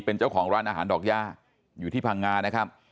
เป็นเจ้าของร้านอาหารดอกย่าอยู่ที่พังงานะครับ